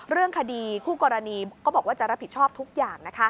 เรื่องคดีคู่กรณีก็บอกว่าจะรับผิดชอบทุกอย่าง